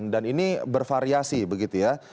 dan ini bervariasi begitu ya